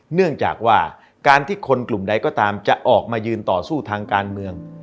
เนื่องจากว่าการที่คนกลุ่มใดก็ตามจะออกมายืนต่อสู้ทางการเมือง